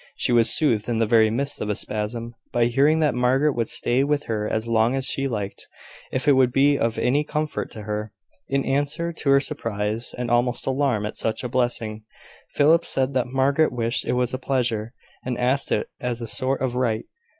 She was soothed in the very midst of a spasm, by hearing that Margaret would stay with her as long as she liked, if it would be of any comfort to her. In answer to her surprise and almost alarm at such a blessing, Philip said that Margaret wished it as a pleasure, and asked it as a sort of right.